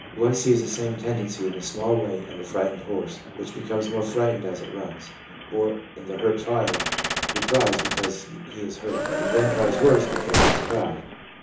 One sees the same tendency in a small way in the frightened horse, which becomes more frightened as it runs ; or in the hurt child, who cries because he is hurt, and then cries worse because he has cried.